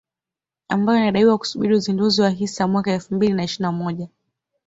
ambayo inadaiwa kusubiri uzinduzi wa hisa mwaka elfu mbili na ishirini na moja